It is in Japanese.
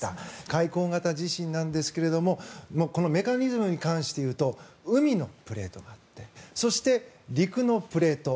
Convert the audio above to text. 海溝型地震なんですがこのメカニズムに関していうと海のプレートがあってそして、陸のプレート。